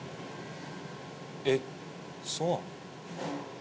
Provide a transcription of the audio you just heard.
えっそうなの？